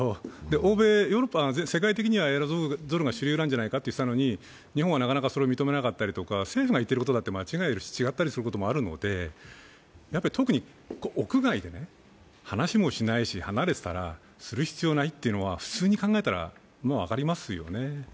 欧米、ヨーロッパ、世界的にはエアロゾルが主流だと言っていたのに日本はなかなかそれを認めなかったりだとか、政府の言っていることも間違えるし違ったりすることもあるので、特に屋外で話もしないし、離れてたらする必要ないってのは、普通に考えたら分かりますよね。